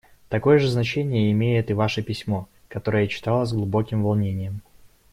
Такое же значение имеет и ваше письмо, которое я читала с глубоким волнением.